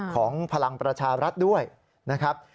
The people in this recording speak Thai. พลังประชารัฐด้วยนะครับ